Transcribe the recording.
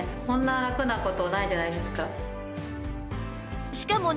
こんなラクな事ないじゃないですか。